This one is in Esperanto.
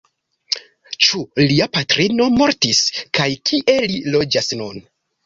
Ĉu lia patrino mortis!? kaj kie li loĝas nun?